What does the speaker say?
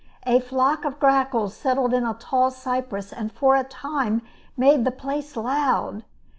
A flock of grackles settled in a tall cypress, and for a time made the place loud.